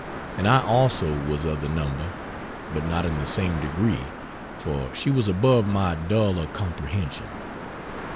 And I also was of the number, but not in the same degree for she was above my duller comprehension.